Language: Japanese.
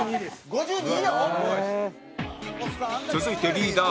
５２」